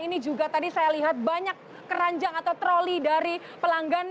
ini juga tadi saya lihat banyak keranjang atau troli dari pelanggan